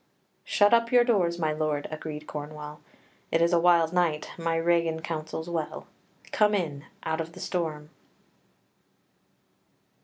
"Shut up your doors, my lord," agreed Cornwall; "it's a wild night; my Regan counsels well. Come in, out of the storm."